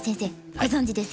ご存じですよね？